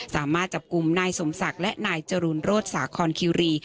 สามารถจับกลุ่มนายสมศักดิ์และนายจรูนโรศสาคอนคิวรี